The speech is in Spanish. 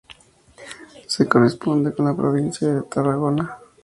Se corresponde con la provincia de Tarragona.